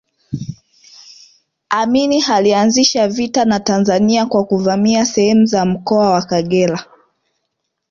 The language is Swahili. Amin alianzisha vita na Tanzania kwa kuvamia sehemu za mkoa wa Kagera